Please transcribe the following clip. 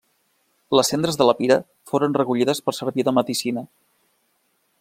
Les cendres de la pira foren recollides per servir de medicina.